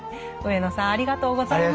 上野さんありがとうございました。